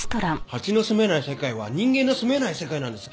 蜂の棲めない世界は人間の住めない世界なんです。